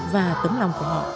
và tấm lòng của họ